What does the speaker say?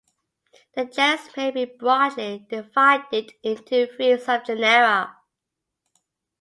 The genus may be broadly divided into three subgenera.